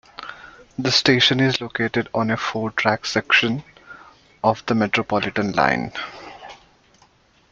The station is located on a four-track section of the Metropolitan line.